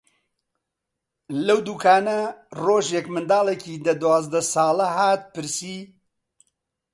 لەو دووکانە ڕۆژێک منداڵێکی دە-دوازدە ساڵە هات پرسی: